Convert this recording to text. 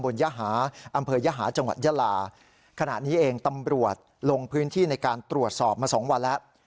ยหาอำเภอยหาจังหวัดยาลาขณะนี้เองตำรวจลงพื้นที่ในการตรวจสอบมาสองวันแล้ว